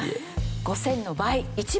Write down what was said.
５０００の倍１万。